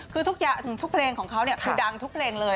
คือทุกอย่างทุกเพลงของเขาคือดังทุกเพลงเลย